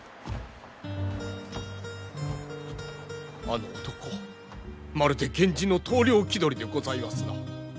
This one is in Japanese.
あの男まるで源氏の棟梁気取りでございますな。